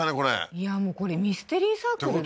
いやもうこれミステリーサークルですか？